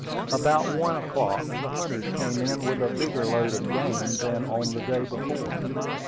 About one o'clock, the hunters came in with a bigger load of game than on the day before.